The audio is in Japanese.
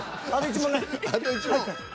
あと１問ね。